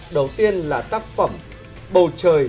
đầu tiên là tác phẩm bầu trời